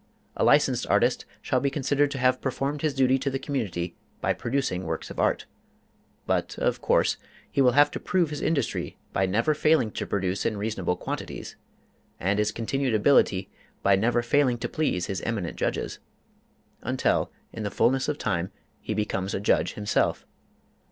A licensed artist shall be considered to have performed his duty to the community by producing works of art. But of course he will have to prove his industry by never failing to produce in reasonable quantities, and his continued ability by never failing to please his eminent judges until, in the fulness of time, he becomes a judge himself.